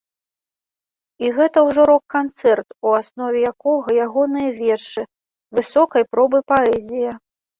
І гэта ўжо рок канцэрт, у аснове якога ягоныя вершы, высокай пробы паэзія.